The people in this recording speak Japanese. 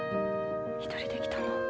一人で来たの？